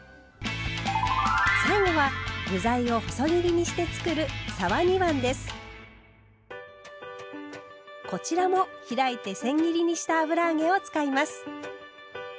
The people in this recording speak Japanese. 最後は具材を細切りにしてつくるこちらも開いてせん切りにした油揚げを使います。